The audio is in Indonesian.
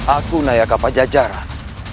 aku nayaka pajak jarak